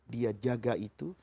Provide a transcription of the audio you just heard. dia jaga itu